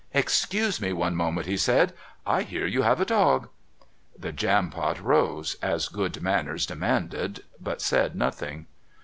"Excuse me one moment," he said; "I hear you have a dog." The Jampot rose, as good manners demanded, but said nothing.